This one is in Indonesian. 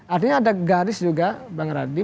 artinya ada garis juga bang radi